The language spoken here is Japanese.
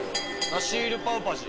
ナシールパブパジ。